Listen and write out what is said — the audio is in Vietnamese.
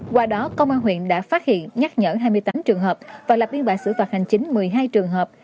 qua đó công an huyện đã phát hiện nhắc nhở hai mươi tám trường hợp và lập biên bản xử phạt hành chính một mươi hai trường hợp